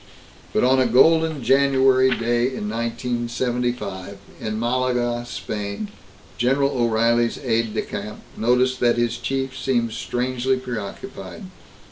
But on a golden January day in 1975, in Malaga, Spain, General O'Reilly's aide de camp noticed that his chief seemed strangely preoccupied.